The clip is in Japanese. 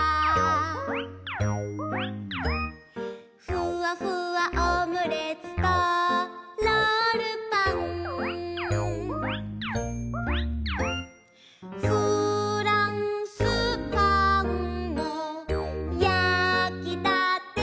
「ふわふわオムレツとロールパン」「フランスパンも焼きたてだ」